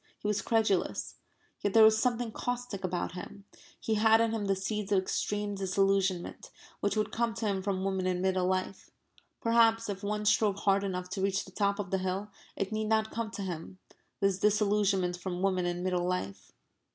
He was credulous. Yet there was something caustic about him. He had in him the seeds of extreme disillusionment, which would come to him from women in middle life. Perhaps if one strove hard enough to reach the top of the hill it need not come to him this disillusionment from women in middle life.